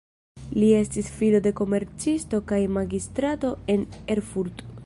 Li estis filo de komercisto kaj magistrato en Erfurt.